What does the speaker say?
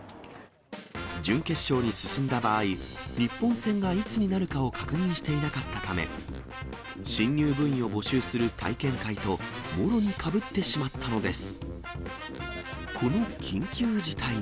準決勝に進んだ場合、日本戦がいつになるかを確認していなかったため、新入部員を募集する体験会ともろにかぶってしまったのです。